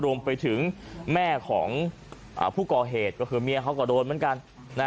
รวมไปถึงแม่ของผู้ก่อเหตุก็คือเมียเขาก็โดนเหมือนกัน